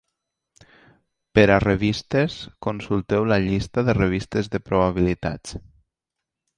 Per a revistes, consulteu la llista de revistes de probabilitats.